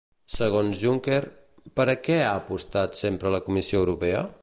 Segons Juncker, per a què ha apostat sempre la Comissió Europea?